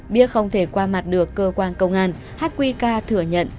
biết không thể qua mặt được cơ quan công an hát quy ca thừa nhận